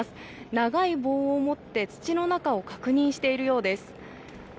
長い棒を持って土の中を確認しているようです。